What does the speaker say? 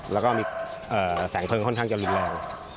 แล้วก็มีแสงเพลิงค่อนข้างจะรุนแรง